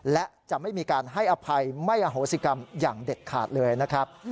และจะไม่มีการให้อภัยไม่อโหสิกรรมอย่างเด็ดขาดเลยนะครับ